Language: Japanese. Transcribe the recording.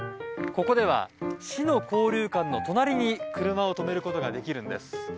ここでは市の交流館の隣に車を止めることができるんです。